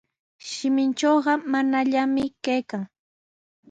"Shimintrawqa ""manallami"" kaykan."